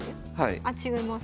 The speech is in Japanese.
あ違います。